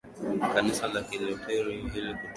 kanisa la kilutheri hili kutoa tamko kwamba serikali